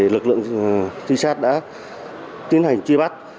lực lượng tư sát đã tiến hành truy bắt